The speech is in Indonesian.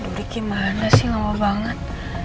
aduh ini gimana sih lama banget